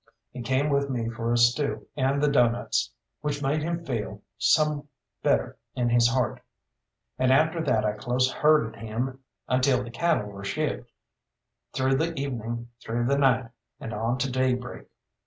He came with me for a stew and the doughnuts, which made him feel some better in his heart, and after that I close herded him until the cattle were shipped, through the evening, through the night, and on to daybreak.